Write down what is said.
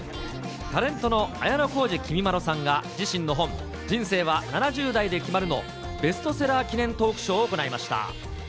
タレントの綾小路きみまろさんが自身の本、人生は７０代で決まるのベストセラー記念トークショーを行いました。